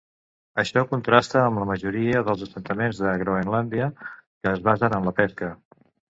Això contrasta amb la majoria dels assentaments de Groenlàndia, que es basen en la pesca.